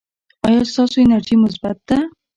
ایا ستاسو انرژي مثبت ده؟